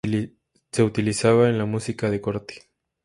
Se utilizaba en la música de corte.